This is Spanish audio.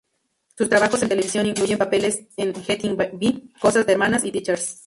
Sus trabajos en televisión incluyen papeles en "Getting By", "Cosas de hermanas" y "Teachers".